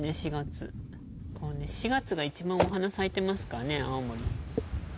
こうね４月が一番お花咲いてますからね青森。